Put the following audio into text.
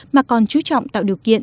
mà còn chú trọng tạo điều kiện